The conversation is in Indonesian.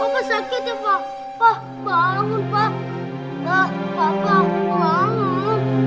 bapak sakit ya pak